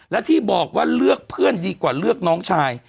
และที่บอกว่าเลือกเพื่อนดีกว่าเลือกน้องชาย